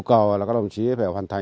quản quy về thái